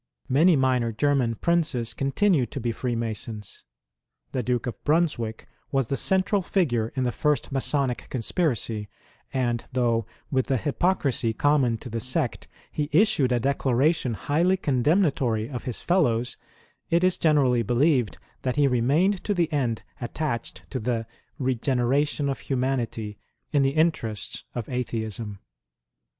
Many minor German Princes continued to be Freemasons. The Duke of Brunswick was the central figure in the first Masonic conspiracy, and though, with the hypocrisy common to the sect, he issued a declaration highly condemnatory of his fellows, it is generally believed that he remained to the end attached to the " regeneration of humanity " in the interests of Atheism.